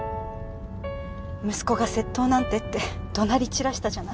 「息子が窃盗なんて」って怒鳴り散らしたじゃない。